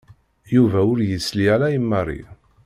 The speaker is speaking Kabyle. Yuba ur yesli ara i Mary.